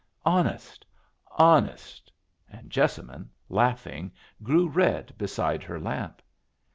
"Honest! Honest!" And Jessamine, laughing, grew red beside her lamp.